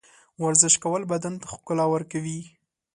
ورزش کول بدن ته ښکلا ورکوي.